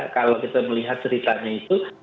kalau kita melihat ceritanya itu